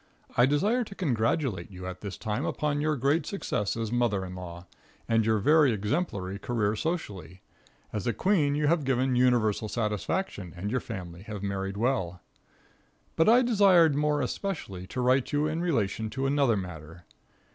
I desire to congratulate you at this time upon your great success as a mother in law, and your very exemplary career socially. As a queen you have given universal satisfaction, and your family have married well. [Illustration: ADVERTISING THE ENTERPRISE.] But I desired more especially to write you in relation to another matter.